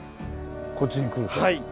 こっちに来ると。